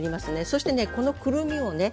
そしてねこのくるみをね